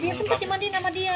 iya sempet dimandiin sama dia